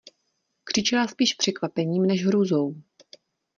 Křičela spíš překvapením než hrůzou.